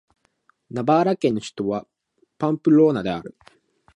ナバーラ県の県都はパンプローナである